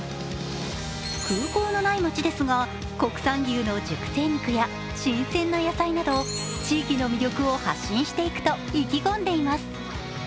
空港のない街ですが、国産牛の熟成肉や新鮮な野菜など地域の魅力を発信していくと意気込んでいます。